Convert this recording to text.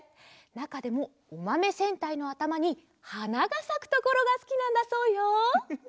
なかでもおまめ戦隊のあたまにはながさくところがすきなんだそうよ！